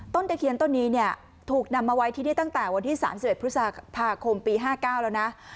ตะเคียนต้นนี้เนี่ยถูกนำมาไว้ที่นี่ตั้งแต่วันที่๓๑พฤษภาคมปี๕๙แล้วนะ